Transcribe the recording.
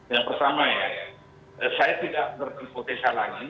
yang pertama ya saya tidak berpotensi lagi